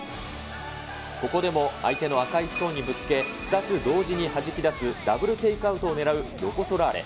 ここでも相手の赤いストーンにぶつけ、２つ同時にはじき出すダブルテイクアウトをねらうロコ・ソラーレ。